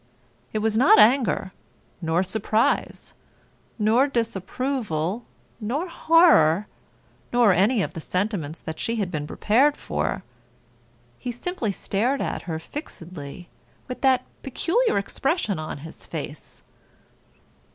It was not anger, nor surprise, nor disapproval, nor horror, nor any of the sentiments that she had been prepared for. He simply stared at her fixedly with that peculiar expression on his face.